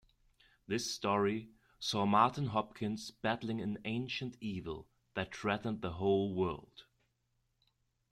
This story saw Martin Hopkins battling an ancient evil that threatened the whole world.